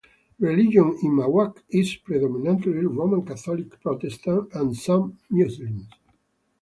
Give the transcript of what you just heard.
Religion in Mawab is predominantly Roman Catholic, Protestant, and some Muslims.